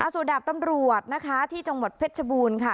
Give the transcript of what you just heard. ส่วนดาบตำรวจนะคะที่จังหวัดเพชรชบูรณ์ค่ะ